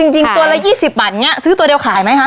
จริงตัวละ๒๐บาทซื้อตัวเดียวขายไหมคะ